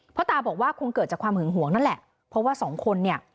ตาบอกว่าคงเกิดจากความหึงหวงนั่นแหละเพราะว่าสองคนเนี่ย